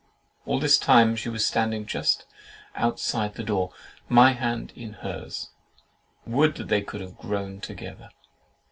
All this time she was standing just outside the door, my hand in hers (would that they could have grown together!)